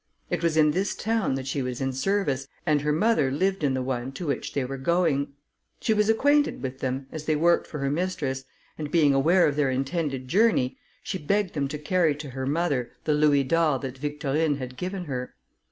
It was in this town that she was in service, and her mother lived in the one to which they were going. She was acquainted with them, as they worked for her mistress, and being aware of their intended journey, she begged them to carry to her mother the louis d'or that Victorine had given her.